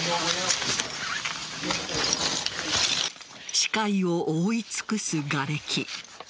視界を覆い尽くすがれき。